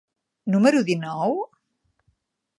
número dinou?